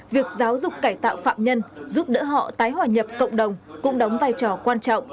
việc giáo dục cải tạo phạm nhân giúp đỡ họ tái hòa nhập cộng đồng cũng đóng vai trò quan trọng